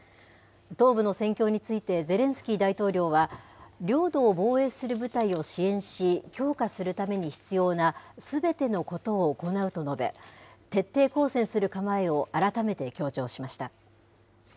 東部の戦況についてゼレンスキー大統領は、領土を防衛する部隊を支援し、強化するために必要なすべてのことを行うと述べ、徹底抗戦する構えを改めて強調しました。